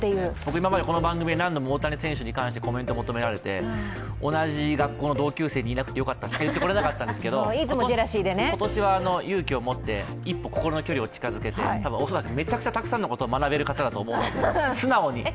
今までこの番組で大谷選手に関してコメントを求められて同じ学校の同級生にいなくてよかったとしか言えなかったんですが今年は勇気を持って、一歩心の距離を近づけて、多分、めちゃくちゃたくさんのことを学びとれる人だと思うので。